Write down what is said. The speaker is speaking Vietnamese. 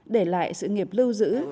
để lại sự nghiệp lưu dự